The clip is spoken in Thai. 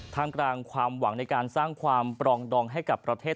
กลางความหวังในการสร้างความปรองดองให้กับประเทศ